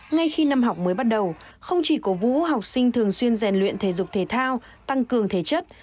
ngay khi năm học mới bắt đầu không chỉ cổ vũ học sinh thường xuyên rèn luyện thể dục thể thao tăng cường thể chất